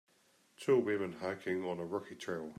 Two women hiking on a rocky trail.